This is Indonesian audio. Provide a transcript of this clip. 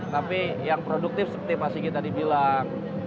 tapi yang produktif seperti yang pak siki tadi bilang